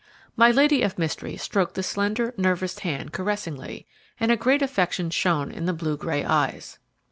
My lady of mystery stroked the slender, nervous hand caressingly, and a great affection shone in the blue gray eyes.